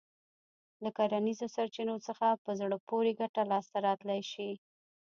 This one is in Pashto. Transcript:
له کرنیزو سرچينو څخه په زړه پورې ګټه لاسته راتلای شي.